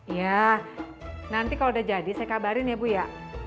ya nanti kalau udah jadi saya kabarin ya bu ya